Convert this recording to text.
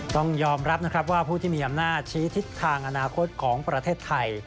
ต้องยอมรับนะครับว่าผู้ที่มีอำนาจชี้ทิศทางอนาคตของประเทศไทย